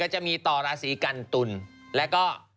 จะมีต่อราศีกันตุลแล้วก็